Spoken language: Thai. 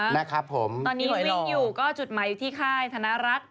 พี่หอยล่อตอนนี้วิ่งอยู่ก็จุดใหม่ที่ข้ายธนารักษณ์